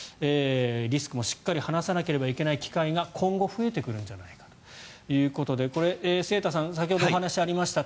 リスクもしっかり話さなければいけない機会が今後増えてくるんじゃないかということで清田さん、先ほどお話にもありました